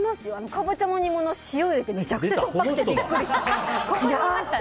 カボチャの煮物塩入れてめちゃくちゃしょっぱくてびっくりした。